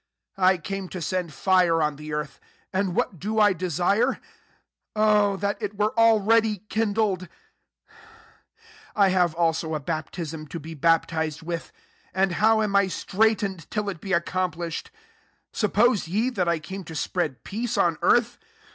49 " I came to send fire ott the earth ; and what do I de sire ? O that it were already kindled ! 50 I have also a bap tism to be baptized with : and how am I straitened till it be accomplished ! 51 suppose ye that I came to spread peace on earth?